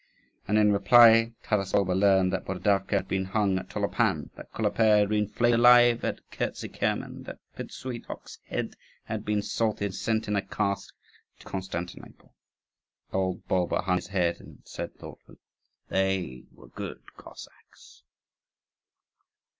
And in reply, Taras Bulba learned that Borodavka had been hung at Tolopan, that Koloper had been flayed alive at Kizikirmen, that Pidsuitok's head had been salted and sent in a cask to Constantinople. Old Bulba hung his head and said thoughtfully, "They were good Cossacks."